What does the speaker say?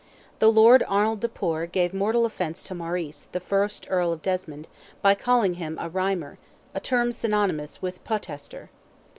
The Lord Arnold le Poer gave mortal offence to Maurice, first Earl of Desmond, by calling him "a Rhymer," a term synonymous with poetaster.